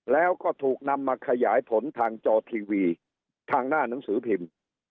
แล้วก็ถูกนำมาขยายผลทางจอทีวีทางหน้าหนังสือพิมพ์